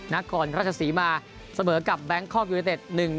นักกรราชสีมาเสมอกับแบงค์คอปยูนิเต็ต๑๑